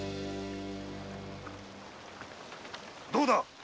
どうだ？